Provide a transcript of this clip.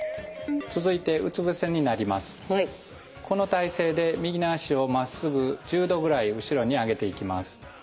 この体勢で右の脚をまっすぐ１０度ぐらい後ろに上げていきます。